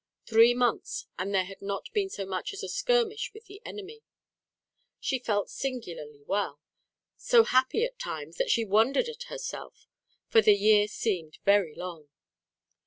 Three months, and there had not been so much as a skirmish with the enemy. She felt singularly well; so happy at times that she wondered at herself, for the year seemed very long.